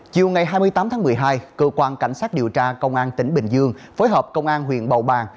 chiều ngày hai mươi tám tháng một mươi hai cơ quan cảnh sát điều tra công an tỉnh bình dương phối hợp công an huyện bầu bàng